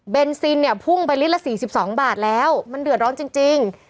ซินเนี่ยพุ่งไปลิตรละ๔๒บาทแล้วมันเดือดร้อนจริง